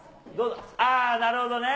あー、なるほどね。